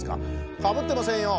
かぶってませんよ。